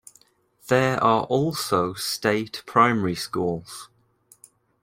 There are also state primary schools.